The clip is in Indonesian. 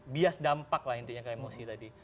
bias dampak lah intinya ke emosi tadi